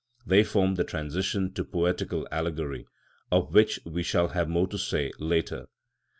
They form the transition to poetical allegory, of which we shall have more to say later.